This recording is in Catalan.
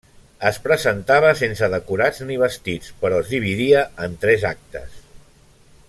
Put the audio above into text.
Es presentava sense decorats ni vestits, però es dividia en tres actes.